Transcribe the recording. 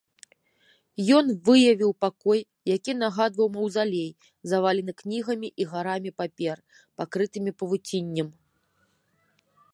Ён выявіў пакой, які нагадваў маўзалей, завалены кнігамі і гарамі папер, пакрытымі павуціннем.